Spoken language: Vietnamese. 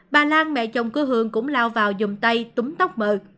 bà lan mẹ chồng của hường cũng lao vào dùng tay túm tóc m